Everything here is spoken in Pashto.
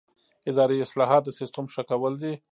اداري اصلاحات د سیسټم ښه کول دي